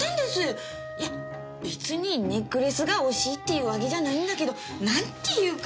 いや別にネックレスが惜しいっていうわけじゃないんだけどなんていうか。